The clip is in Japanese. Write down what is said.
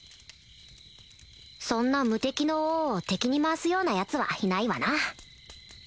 そんな無敵の王を敵に回すようなヤツはいないわな